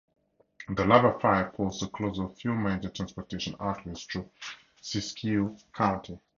The Lava Fire forced the closure of few major transportation arteries through Siskiyou County.